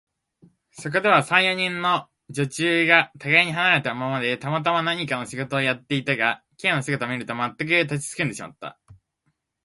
そこでは、三、四人の女中がたがいに離れたままで、たまたま何かの仕事をやっていたが、Ｋ の姿を見ると、まったく立ちすくんでしまった。